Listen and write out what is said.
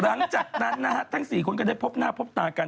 หลังจากนั้นนะฮะทั้ง๔คนก็ได้พบหน้าพบตากัน